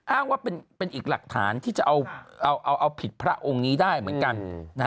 อ้างว่าเป็นอีกหลักฐานที่จะเอาผิดพระองค์นี้ได้เหมือนกัน